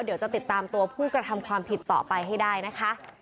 เดี๋ยวจะติดตามตัวผู้กระทำความผิดต่อไปให้ได้นะคะ